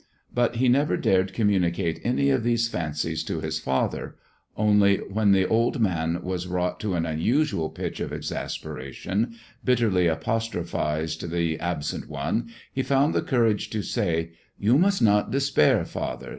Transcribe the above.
But he never dared communicate any of these fancies to his father; only when the old man, wrought to an unusual pitch of exasperation, bitterly apostrophized the absent one, he found the courage to say: "You must not despair, father.